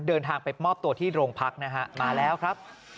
เดินทางไปมอบตัวที่โรงพักนะฮะมาแล้วครับ